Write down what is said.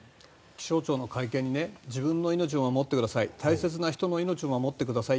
気象庁の会見に自分の命を守ってください